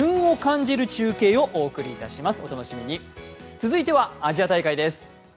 続いてはアジア大会です。